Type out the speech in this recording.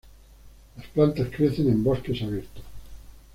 Las plantas crecen en bosques abiertos.